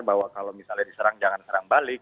bahwa kalau misalnya diserang jangan serang balik